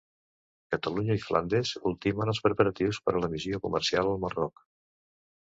Catalunya i Flandes ultimen els preparatius per a la missió comercial al Marroc